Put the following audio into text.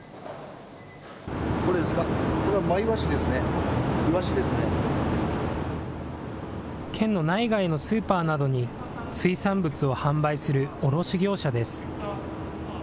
これですか、これはマイワシですね、県の内外のスーパーなどに、水産物を販売する卸業者です。